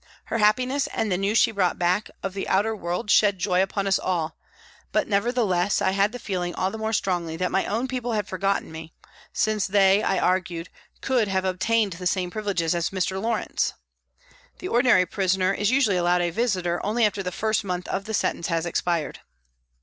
Her happiness and the news she brought back of the outer 104 world shed joy upon us all, but, nevertheless, I had ; the feeling all the more strongly that my own people had forgotten me, since they, I argued, could have obtained the same privileges as Mr. Lawrence. The ordinary prisoner is usually allowed a visitor only after the first month of the sentence has expired.